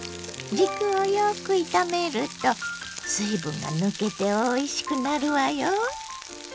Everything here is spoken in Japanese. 軸をよく炒めると水分が抜けておいしくなるわよ。